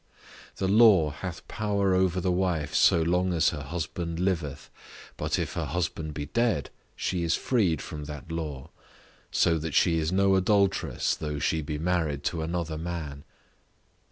"The law hath power over the wife so long as her husband liveth, but if her husband be dead she is freed from that law; so that she is no adulteress though she be married to another man."